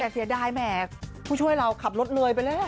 แต่เสียดายแหมผู้ช่วยเราขับรถเลยไปแล้ว